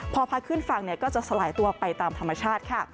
พอพัดขึ้นฝั่งก็จะสลายตัวไปตามธรรมชาติค่ะ